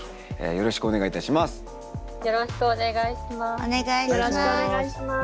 よろしくお願いします。